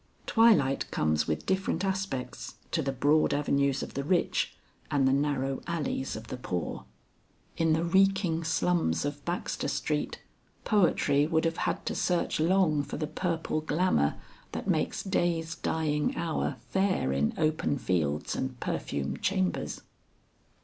Twilight comes with different aspects to the broad avenues of the rich, and the narrow alleys of the poor. In the reeking slums of Baxter Street, poetry would have had to search long for the purple glamour that makes day's dying hour fair in open fields and perfumed chambers.